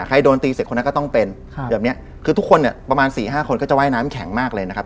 ใครโดนตีเสร็จคนนั้นก็ต้องเป็นแบบเนี้ยคือทุกคนเนี่ยประมาณสี่ห้าคนก็จะว่ายน้ำแข็งมากเลยนะครับ